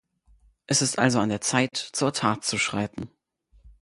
Es ist also an der Zeit, zur Tat zu schreiten.